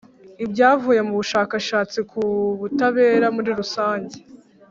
Ibyavuye mu bushakashatsi ku butabera muri rusange